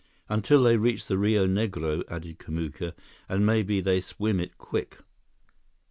"Until they reach the Rio Negro," added Kamuka, "and maybe they swim it quick."